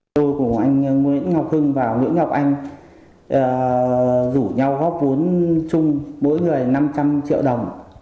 tôi cùng anh nguyễn ngọc hưng và nguyễn ngọc anh rủ nhau góp vốn chung mỗi người năm trăm linh triệu đồng